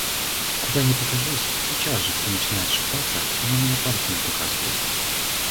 Куда не покажусь, сейчас же все начинают шептаться и на меня пальцами показывают.